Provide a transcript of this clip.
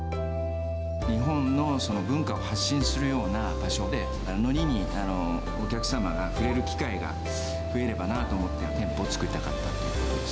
日本の文化を発信するような場所で、のりにお客様が触れる機会が増えればなと思って、店舗を作りたかったということです。